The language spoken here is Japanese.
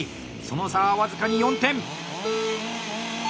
その差は僅かに４点！